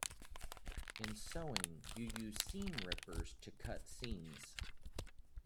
In sewing, you use seam rippers to cut seams.